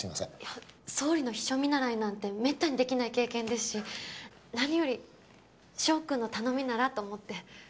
いや総理の秘書見習いなんてめったに出来ない経験ですし何より翔くんの頼みならと思って。